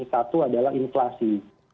satu adalah inflasi